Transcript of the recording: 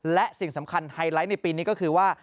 และสิ่งสำคัญไฮไลท์ในปีนี้ก็คือว่า